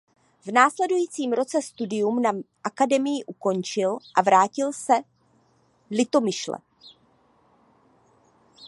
V následujícím roce studium na Akademii ukončil a vrátil se Litomyšle.